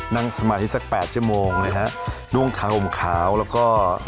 นั่งสมัยที่สัก๘ชั่วโมงเลยค่ะดวงขาห่มขาวแล้วก็